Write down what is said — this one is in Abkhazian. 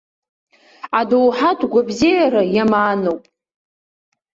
Адоуҳатә гәабзиара иамааноуп.